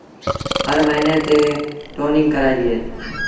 هر موهيݩي تي ٽونيٚنگ ڪرآئيبيٚ اهي